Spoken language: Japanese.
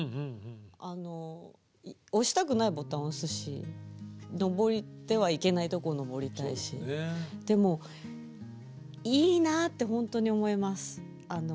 あの押したくないボタン押すし登ってはいけないとこを登りたいしでもいいなってほんとに思います。